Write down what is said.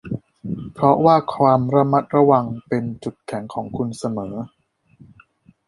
เพราะว่าความระมัดระวังเป็นจุดแข็งของคุณเสมอ